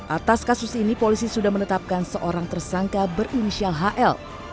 atas kasus ini polisi sudah menetapkan seorang tersangka berinisial hl